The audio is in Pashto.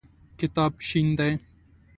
کتاب شین دی.